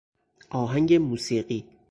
آهنگ موسیقی